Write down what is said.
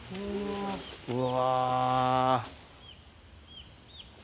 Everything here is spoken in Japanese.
うわ。